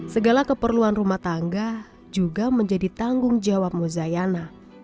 segala keperluan rumah tangga juga menjadi tanggung jawab mozayana